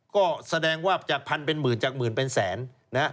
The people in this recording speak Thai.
ก็แสดงว่าจาก๑๐๐๐เป็น๑๐๐๐๐จาก๑๐๐๐๐เป็นแสน